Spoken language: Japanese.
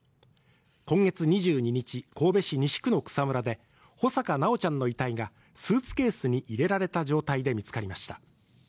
今月２２日、神戸市西区の草むらで穂坂修ちゃんの遺体がスーツケースに入れられた状態で見つかりました。